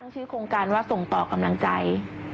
ชื่อโครงการว่าส่งต่อกำลังใจ